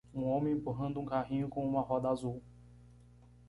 Um homem empurrando um carrinho com uma roda azul.